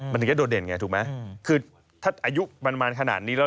มันถึงจะโดดเด่นไงถูกไหมคือถ้าอายุประมาณขนาดนี้แล้ว